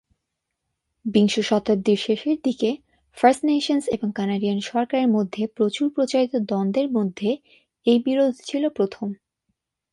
বিংশ শতাব্দীর শেষের দিকে ফার্স্ট নেশনস এবং কানাডিয়ান সরকারের মধ্যে প্রচুর প্রচারিত দ্বন্দ্বের মধ্যে এই বিরোধ ছিল প্রথম।